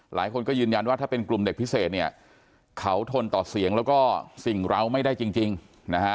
หลายคนก็ยืนยันว่าถ้าเป็นกลุ่มเด็กพิเศษเนี่ยเขาทนต่อเสียงแล้วก็สิ่งเราไม่ได้จริงนะฮะ